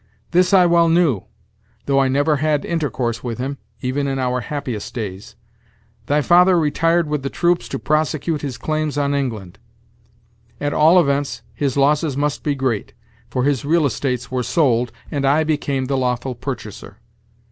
This I well knew, though I never had intercourse with him, even in our happiest days. Thy father retired with the troops to prosecute his claims on England. At all events, his losses must be great, for his real estates were sold, and I became the lawful purchaser.